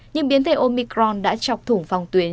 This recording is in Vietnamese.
nhưng biến thể omicron đã chọc thủng phòng tuyến